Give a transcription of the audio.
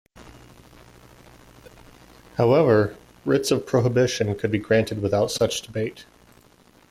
However, writs of prohibition could be granted without such debate.